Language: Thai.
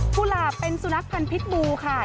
หลาบเป็นสุนัขพันธ์พิษบูค่ะ